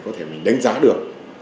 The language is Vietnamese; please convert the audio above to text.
có thể mình đánh giá được